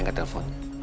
saya gak telepon